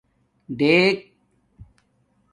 ڈیک